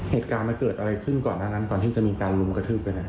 เหตุการณ์เกิดอะไรขึ้นก่อนที่จะมีการรุมกระทืบกัน